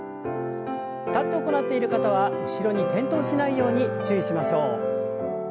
立って行っている方は後ろに転倒しないように注意しましょう。